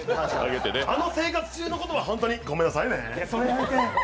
あの生活中のことはホントにごめんなさいね。